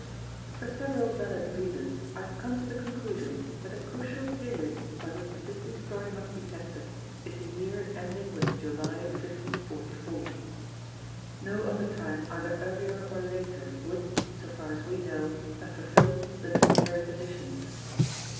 _ For several valid reasons I have come to the conclusion that the crucial period by which the Bisley story must be tested is the year ending with July 1544. No other time either earlier or later would, so far as we know, have fulfilled the necessary conditions.